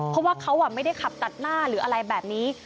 เพราะว่าเขาไม่ได้ขับตัดหน้าหรืออะไรแบบนี้